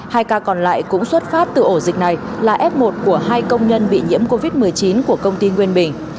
hai ca còn lại cũng xuất phát từ ổ dịch này là f một của hai công nhân bị nhiễm covid một mươi chín của công ty nguyên bình